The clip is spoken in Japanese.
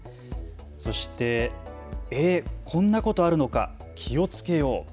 そしてえ、こんなことあるのか気をつけよう。